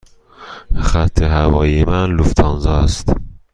خط هوایی من لوفتانزا است.